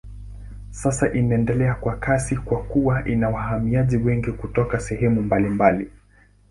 Sasa inaendelea kwa kasi kwa kuwa ina wahamiaji wengi kutoka sehemu mbalimbali.